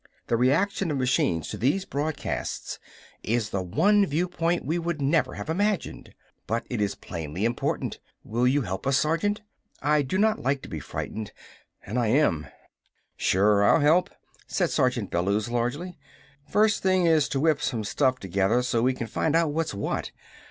"The reaction of machines to these broadcasts is the one viewpoint we would never have imagined. But it is plainly important. Will you help us, Sergeant? I do not like to be frightened and I am!" "Sure, I'll help," said Sergeant Bellews largely. "First thing is to whip some stuff together so we can find out what's what.